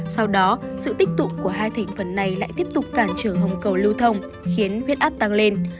sau đó sự tích tụ của hai thành phần này lại tiếp tục cản trở hồng cầu lưu thông khiến huyết áp tăng lên